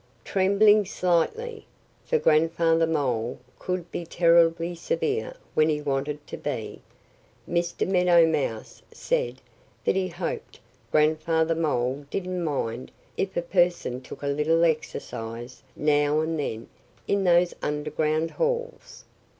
Trembling slightly (for Grandfather Mole could be terribly severe when he wanted to be) Mr. Meadow Mouse said that he hoped Grandfather Mole didn't mind if a person took a little exercise now and then in those underground halls.